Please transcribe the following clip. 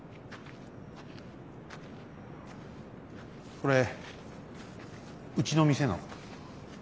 これうちの店の。